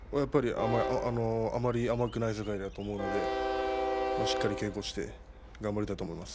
あまり甘くない世界だと思うのでしっかり稽古をして頑張りたいと思います。